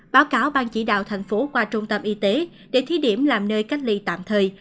báo cáo bang chỉ đạo thành phố qua trung tâm y tế để thí điểm làm nơi cách ly tạm thời